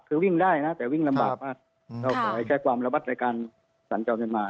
คือวิ่งได้นะแต่วิ่งลำบากมากครับใช้ความระบัดในการสรรค์เจ้าเมืองมา